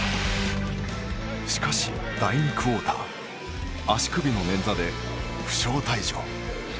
しかし、第２クオーター足首のねんざで負傷退場。